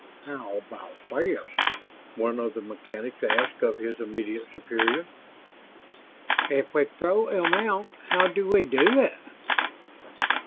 "How about this?" one of the mechanics asked of his immediate superior. "If we throw 'em out, how do we do it?"